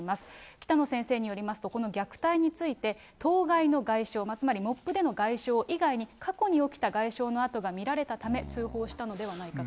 北野先生によりますと、この虐待について、当該の外傷、つまりモップでの外傷以外に、過去に起きた外傷のあとが見られたため通報したのではないかと。